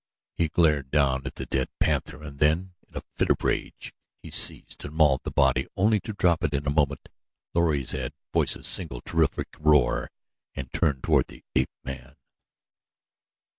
He glared down at the dead panther and then, in a fit of rage, he seized and mauled the body only to drop it in a moment, lower his head, voice a single terrific roar, and turn toward the ape man.